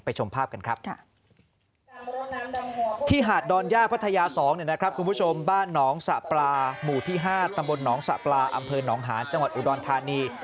ที่หาดดอนย่าพัทยา๒บ้านหนองสระปลาหมู่ที่๕ตำบลหนองสระปลาอำเภอหนองหานจังหวัดอุดรธานี